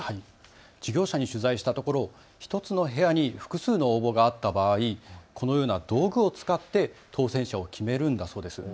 事業者に取材したところ１つの部屋に複数の応募があった場合、このような道具を使って当せん者を決めるんだそうです。